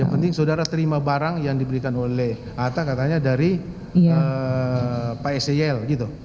yang penting saudara terima barang yang diberikan oleh atta katanya dari pak syl gitu